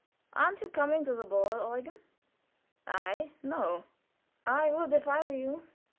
"Aren't you coming to the ball, Eugen?" "I? No." "I would if I were you."